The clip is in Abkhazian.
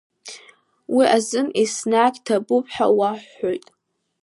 Уи азы еснагь ҭабуп ҳәа уаҳҳәоит.